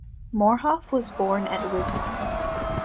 Morhof was born at Wismar.